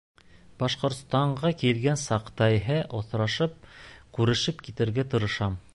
Башҡортостанға килгән саҡта иһә осрашып, күрешеп китергә тырышам.